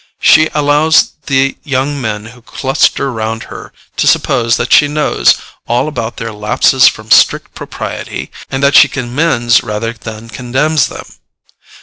She allows the young men who cluster round her to suppose that she knows all about their lapses from strict propriety, and that she commends rather than condemns them.